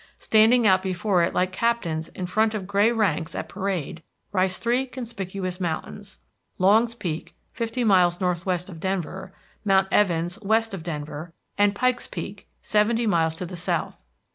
Standing out before it like captains in front of gray ranks at parade rise three conspicuous mountains, Longs Peak, fifty miles northwest of Denver, Mount Evans, west of Denver, and Pikes Peak, seventy miles to the south.